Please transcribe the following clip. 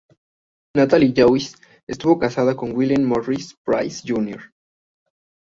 Natalie Joyce estuvo casada con William Morris Pryce Jr.